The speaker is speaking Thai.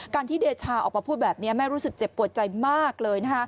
ที่เดชาออกมาพูดแบบนี้แม่รู้สึกเจ็บปวดใจมากเลย